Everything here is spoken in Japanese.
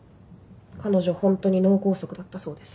彼女ホントに脳梗塞だったそうです。